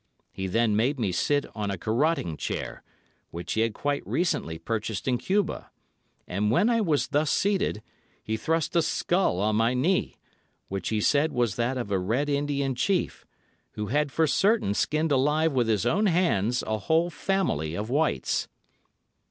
He then made me sit on a garotting chair, which he had quite recently purchased in Cuba, and when I was thus seated, he thrust a skull on my knee, which he said was that of a Red Indian Chief, who had for certain skinned alive with his own hands a whole family of whites.